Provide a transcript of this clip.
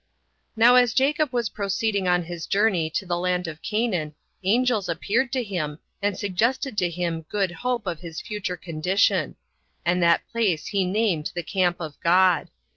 1. Now as Jacob was proceeding on his journey to the land of Canaan, angels appeared to him, and suggested to him good hope of his future condition; and that place he named the Camp of God.